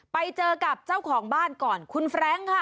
ไปเจอกับเจ้าของบ้านก่อนคุณแฟรงค์ค่ะ